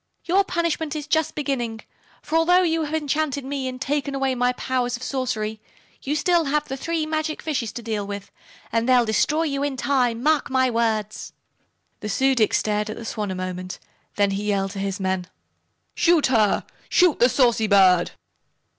Your punishment is just beginning, for although you have enchanted me and taken away my powers of sorcery you have still the three magic fishes to deal with, and they'll destroy you in time, mark my words." The Su dic stared at the Swan a moment. Then he yelled to his men: "Shoot her! Shoot the saucy bird!"